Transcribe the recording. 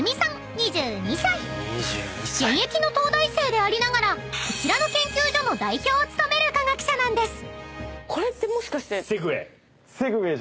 ［現役の東大生でありながらこちらの研究所の代表を務める化学者なんです］